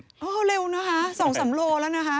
โอ้เร็วนะฮะ๒๓โลกรัมแล้วนะฮะ